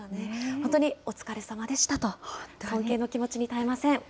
本当にお疲れさまでしたと、尊敬の気持ちにたえません。